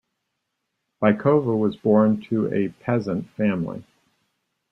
Bykova was born to a peasant family.